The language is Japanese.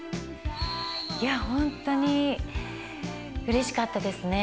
本当にうれしかったですね。